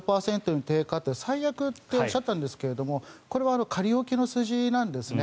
５％から０％に低下って最悪っておっしゃったんですがこれは仮置きの数字なんですね。